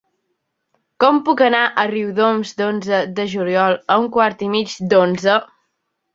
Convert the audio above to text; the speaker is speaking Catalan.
Com puc anar a Riudoms l'onze de juliol a un quart i mig d'onze?